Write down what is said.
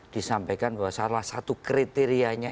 disampaikan bahwa salah satu kriterianya